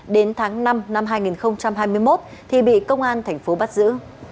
đến tháng năm năm hai nghìn hai mươi một thì bị công an tp bắt giữ